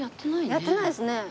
やってないですね。